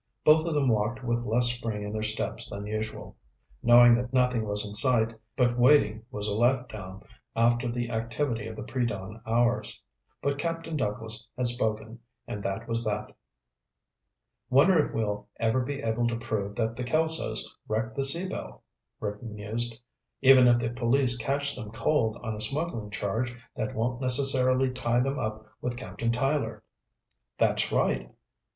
Both of them walked with less spring in their steps than usual. Knowing that nothing was in sight but waiting was a letdown after the activity of the predawn hours. But Captain Douglas had spoken and that was that. "Wonder if we'll ever be able to prove that the Kelsos wrecked the Sea Belle?" Rick mused. "Even if the police catch them cold on a smuggling charge that won't necessarily tie them up with Captain Tyler." "That's right."